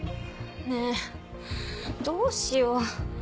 ねぇどうしよう。